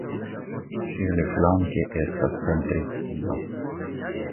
Ŝi aliflanke estas pentristino.